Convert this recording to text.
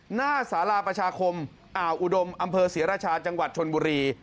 หน้าสาราประชาคมอ่าวอุดมอำเภอศรีราชาจังหวัดชนบุรี